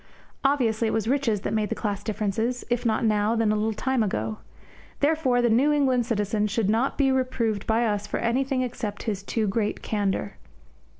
Obviously, it was riches that made the class differences, if not now, then a little time ago. Therefore the New England citizen should not be reproved by us for anything except his too great candour.